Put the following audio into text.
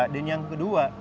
dan yang kedua